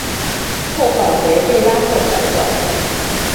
后返回卫拉特传教。